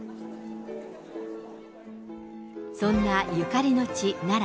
そんなゆかりの地、奈良。